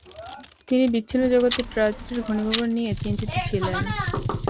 তিনি বিচ্ছিন্ন জগতে ট্র্যাজেডির ঘনীভবন নিয়ে চিন্তিত ছিলেন।